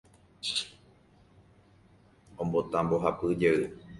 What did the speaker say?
Ombota mbohapy jey